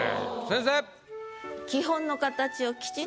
先生！